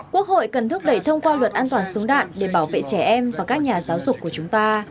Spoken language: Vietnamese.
quốc hội cần thúc đẩy thông qua luật an toàn súng đạn để bảo vệ trẻ em và các nhà giáo dục của chúng ta